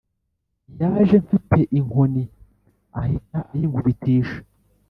Yaje mfite inkoni ahita ayinkubitisha